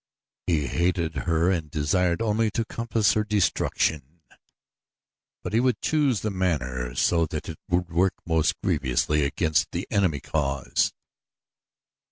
He hated her and desired only to compass her destruction; but he would choose the manner so that it would work most grievously against the enemy cause.